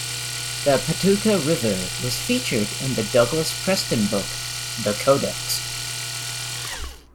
The Patuca River was featured in the Douglas Preston book "The Codex".